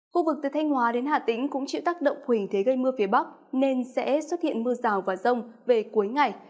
khu vực từ thanh hóa đến hà tĩnh cũng chịu tác động hình thế gây mưa phía bắc nên sẽ xuất hiện mưa rào và rông về cuối ngày